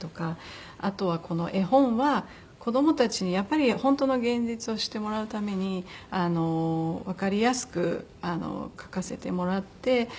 あとはこの絵本は子どもたちにやっぱり本当の現実を知ってもらうためにわかりやすく書かせてもらって。